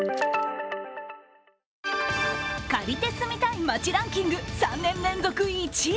借りて住みたい街ランキング、３年連続１位。